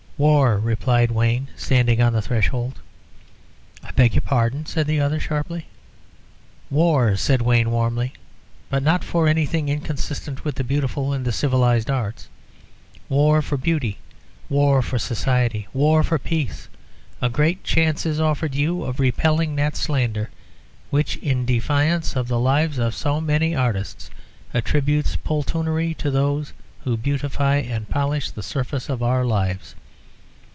"War!" replied Wayne, standing on the threshold. "I beg your pardon," said the other, sharply. "War!" said Wayne, warmly. "But not for anything inconsistent with the beautiful and the civilised arts. War for beauty. War for society. War for peace. A great chance is offered you of repelling that slander which, in defiance of the lives of so many artists, attributes poltroonery to those who beautify and polish the surface of our lives.